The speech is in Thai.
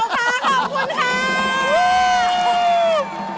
ขอบคุณค่ะ